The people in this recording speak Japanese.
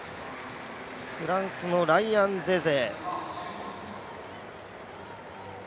フランスのライアン・ゼゼ。